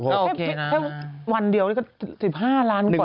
แค่วันเดียว๑๕ล้านก่อน